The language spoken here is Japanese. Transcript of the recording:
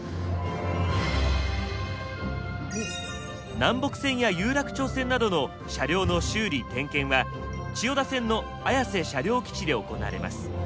南北線や有楽町線などの車両の修理・点検は千代田線の綾瀬車両基地で行われます。